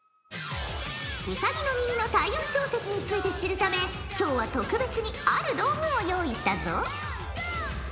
ウサギの耳の体温調節について知るため今日は特別にある道具を用意したぞ！